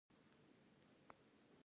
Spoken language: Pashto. زړه هیڅکله ستړی نه کېږي.